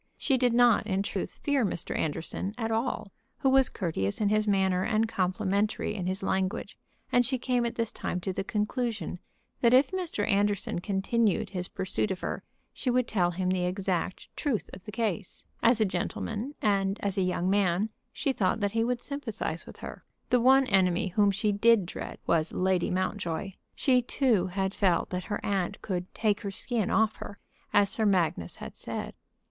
She did not, in truth, fear Mr. Anderson at all, who was courteous in his manner and complimentary in his language, and she came at this time to the conclusion that if Mr. Anderson continued his pursuit of her she would tell him the exact truth of the case. As a gentleman, and as a young man, she thought that he would sympathize with her. The one enemy whom she did dread was Lady Mountjoy. She too had felt that her aunt could "take her skin off her," as Sir Magnus had said.